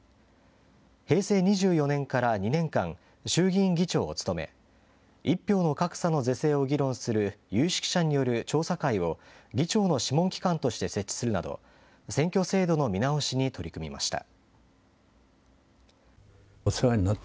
平成２４年から２年間、衆議院議長を務め、１票の格差の是正を議論する有識者による調査会を議長の諮問機関として設置するなど、選挙制度の見直しに取り組みました。